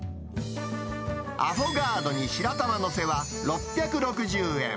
アフォガードに白玉載せは６６０円。